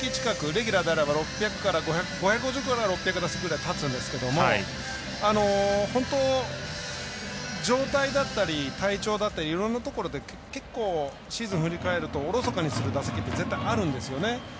レギュラーであれば５５５から６００ぐらい立つんですけど本当、状態だったり体調だったりいろんなところで結構シーズン振り返るとおろそかにする打席って絶対あるんですよね。